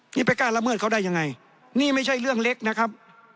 นี่ไปกล้าละเมิดเขาได้ยังไงนี่ไม่ใช่เรื่องเล็กนะครับ